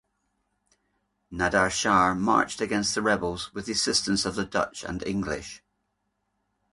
Nader Shah marched against the rebels with the assistance of the Dutch and English.